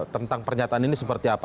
tentang pernyataan ini seperti apa